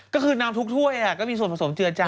ก็คือน้ำทุกถ้วยก็มีส่วนผสมเจือจา